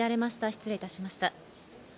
失礼いたしました。